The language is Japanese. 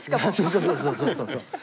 そうそうそうそう。